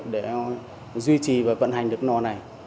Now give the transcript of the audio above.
để duy trì và vận hành được nò này